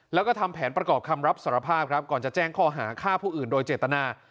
แล้วก็ทำแผนประกอบคำรับสารภาพครับก่อนจะแจ้งข้อหาฆ่าผู้อื่นโดยเจตนา